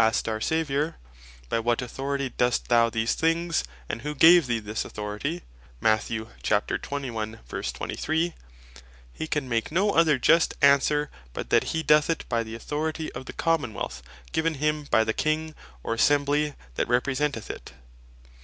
asked our Saviour, "By what authority dost thou these things, and who gave thee this authority:" he can make no other just Answer, but that he doth it by the Authority of the Common wealth, given him by the King, or Assembly that representeth it.